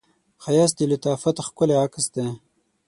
ښایست د لطافت ښکلی عکس دی